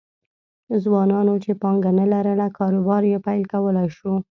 ځوانانو چې پانګه نه لرله کاروبار یې پیل کولای شو